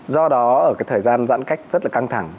do đó ở cái thời gian giãn cách rất là căng thẳng